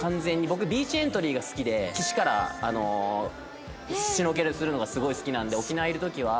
僕ビーチエントリーが好きで岸からシュノーケルするのがすごい好きなんで沖縄にいる時は。